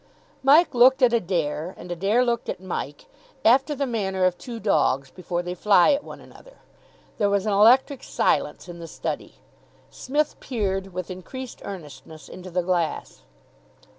Mike looked at Adair, and Adair looked at Mike, after the manner of two dogs before they fly at one another. There was an electric silence in the study. Psmith peered with increased earnestness into the glass.